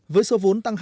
với số vốn tăng hai